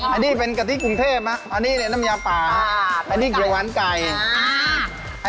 อันนี้เป็นกะทิกรุงเทพฯอันนี้น้ำยาป่าอันนี้เกลียวหวานไก่